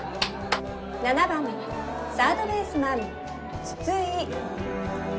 ７番サードベースマン筒井。